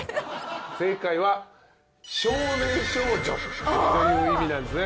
正解は少年少女という意味なんですね